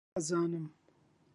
ئەزانم